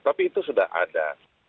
tapi itu sudah ada